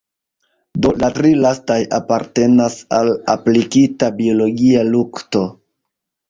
Do la tri lastaj apartenas al aplikita biologia lukto.